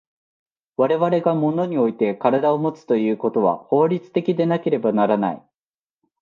我々が物において身体をもつということは法律的でなければならない。